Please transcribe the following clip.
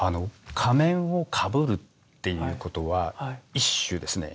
仮面をかぶるっていうことは一種ですね